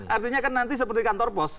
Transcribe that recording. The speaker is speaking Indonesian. artinya kan nanti seperti kantor pos